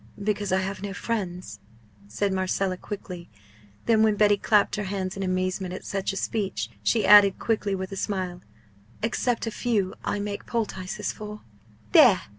"Because I have no friends," said Marcella, quickly; then, when Betty clapped her hands in amazement at such a speech, she added quickly with a smile, "except a few I make poultices for." "There!"